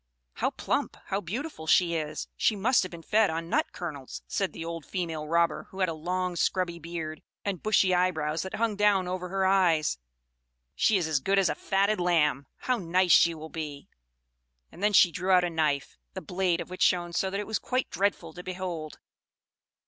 "How plump, how beautiful she is! She must have been fed on nut kernels," said the old female robber, who had a long, scrubby beard, and bushy eyebrows that hung down over her eyes. "She is as good as a fatted lamb! How nice she will be!" And then she drew out a knife, the blade of which shone so that it was quite dreadful to behold.